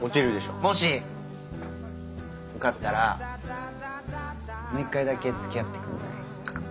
受かったらもう１回だけ付き合ってくんない？